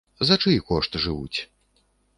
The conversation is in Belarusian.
За чый кошт жывуць?